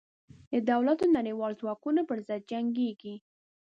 د دولت او نړېوالو ځواکونو پر ضد جنګېږي.